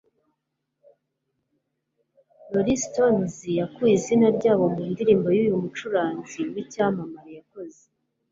Rolling Stones yakuye izina ryabo mu ndirimbo yuyu mucuranzi wicyamamare yakoze